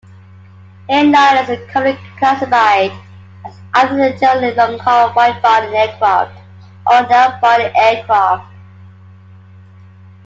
Airliners are commonly classified as either the generally long-haul widebody aircraft, or narrow-body aircraft.